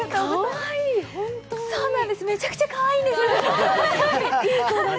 そうなんです、めちゃくちゃかわいいってす。